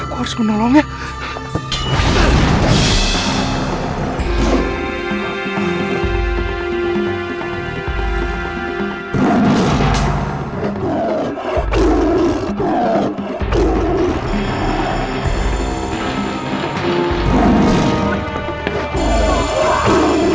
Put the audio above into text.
aku harus menolongnya